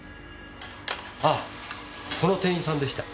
あっこの店員さんでした。